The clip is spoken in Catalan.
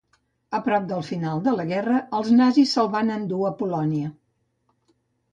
A prop del final de la guerra els nazis se'ls van endur a Polònia.